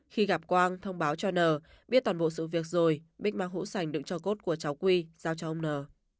khi gặp quang thông báo cho nờ biết toàn bộ sự việc rồi bích mang hũ sành đựng cho cốt của cháu quy giao cho ông nờ